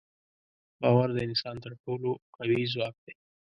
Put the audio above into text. باور د انسان تر ټولو قوي ځواک دی.